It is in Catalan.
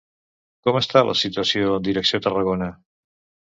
Com està la situació en direcció Tarragona?